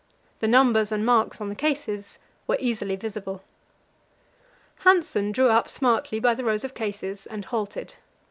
The numbers and marks on the cases were easily visible. Hanssen drew up smartly by the rows of cases and halted.